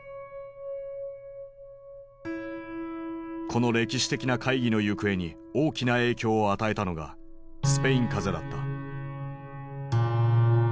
この歴史的な会議の行方に大きな影響を与えたのがスペイン風邪だった。